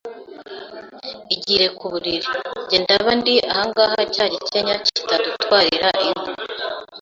Igire ku buriri, njye ndaba ndi ahangaha cya gikenya kitadutwarira inka